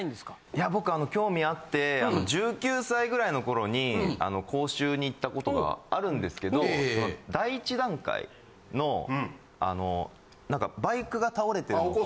いや僕興味あって１９歳ぐらいの頃に講習に行ったことがあるんですけど第１段階のなんかバイクが倒れてるのを。